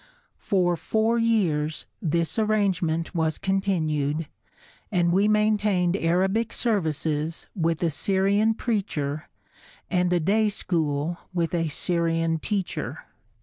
For four years this arrangement was continued and we maintained Arabic services with a Syrian preacher and a day school with a Syrian teacher.